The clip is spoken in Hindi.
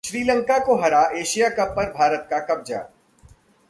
श्रीलंका को हरा एशिया कप पर भारत का कब्जा